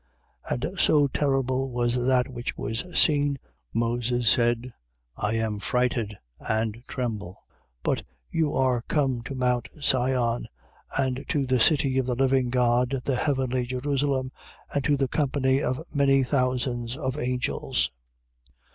12:21. And so terrible was that which was seen, Moses said: I am frighted, and tremble. 12:22. But you are come to mount Sion and to the city of the living God, the heavenly Jerusalem, and to the company of many thousands of angels, 12:23.